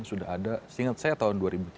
sudah ada seingat saya tahun dua ribu tiga belas